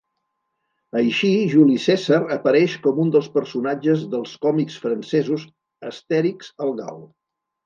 Així, Juli Cèsar apareix com un dels personatges dels còmics francesos Astèrix el gal.